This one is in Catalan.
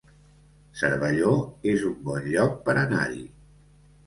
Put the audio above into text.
Cervelló es un bon lloc per anar-hi